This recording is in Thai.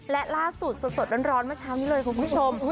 และล่าสุดสดร้อนเมื่อเช้านี้เลยคุณผู้ชม